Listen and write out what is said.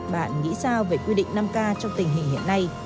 bạn nghĩ sao về quy định năm k trong tình hình hiện nay